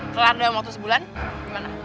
setelah dalam waktu sebulan gimana